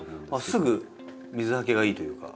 すぐ水はけがいいというか。